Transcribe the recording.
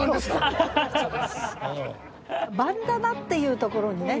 「バンダナ」っていうところにね